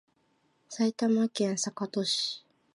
埼玉県坂戸市